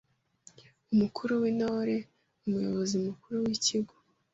Umukuru w’Intore: Umuyobozi Mukuru w’ikigo